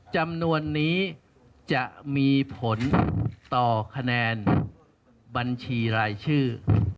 จำนวนนี้จะมีผลต่อคะแนนบัญชีรายชื่อ